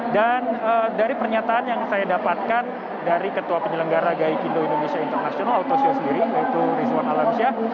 dan dari pernyataan yang saya dapatkan dari ketua penyelenggara gai kindo indonesia international auto show sendiri yaitu rizwan alamsyah